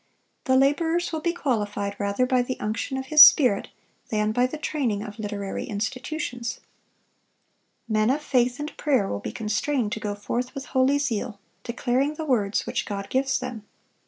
The laborers will be qualified rather by the unction of His Spirit than by the training of literary institutions. Men of faith and prayer will be constrained to go forth with holy zeal, declaring the words which God gives them.